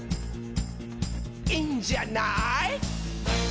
「いいんじゃない？」